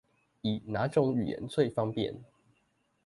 以那種語言最方便？